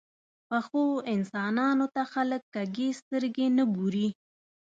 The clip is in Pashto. پخو انسانانو ته خلک کږې سترګې نه ګوري